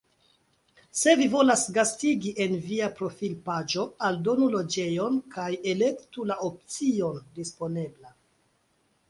Se vi volas gastigi, en via profilpaĝo aldonu loĝejon kaj elektu la opcion "Disponebla".